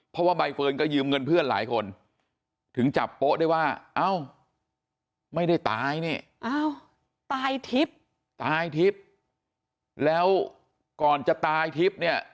เพราะว่าใบเฟิร์นก็ยืมเงินเพื่อนหลายคนถึงจับโป๊ะได้ว่าไม่ได้ตายตายทิศแล้วก่อนจะตายทิศ